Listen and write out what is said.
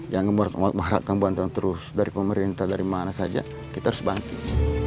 yang mengharapkan bantuan terus dari pemerintah dari mana saja kita harus bangkit